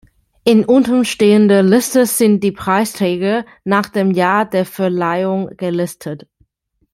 In unten stehender Liste sind die Preisträger nach dem Jahr der Verleihung gelistet.